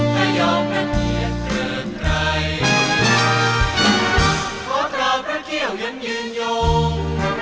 ไม่ยอมระเทียดเกินใดขอเถิดพระเกี่ยวยังยืนยง